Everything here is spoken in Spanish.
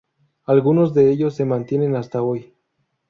Algunos de ellos se mantienen hasta hoy.